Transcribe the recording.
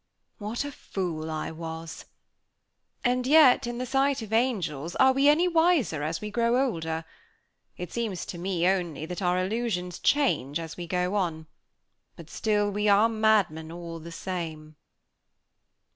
What a fool I was! And yet, in the sight of angels, are we any wiser as we grow older? It seems to me, only, that our illusions change as we go on; but, still, we are madmen all the same.